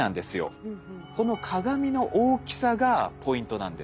この鏡の大きさがポイントなんですって。